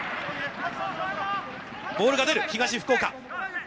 ボールが出る、東福岡。